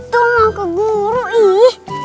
itu mau ke guru ihh